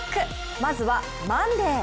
まずはマンデー。